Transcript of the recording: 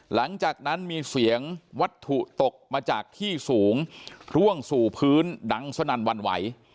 หลังจากนั้นมีเสียงวัตถุตกมาจากที่สูงร่วงสู่พื้นดังสนั่นวันไหว